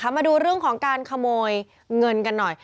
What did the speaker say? มาดูเรื่องของการขโมยเงินกันหน่อย